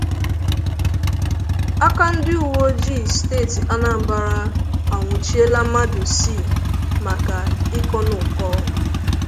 Aka ndị uweojii steeti Anambra anwụchiela mmadụ isii maka ikonùkọ